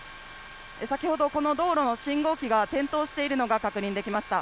先ほどこの道路の信号機が点灯しているのが確認できました。